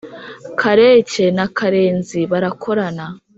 kareke na karenzi barakorana